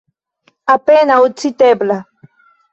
Apenaŭ citebla.